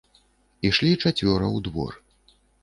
Ішлі чацвёра ў двор.